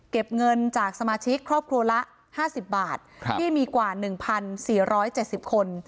เงินจากสมาชิกครอบครัวละ๕๐บาทที่มีกว่า๑๔๗๐คน